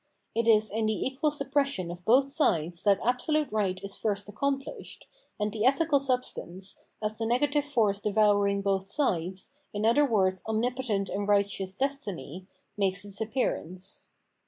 It is in the equal suppression of both sides that absolute right is first accomplished, and the ethical substance, as the negative force devouring both sides, in other words omnipotent and righteous Destiny, makes its appearance.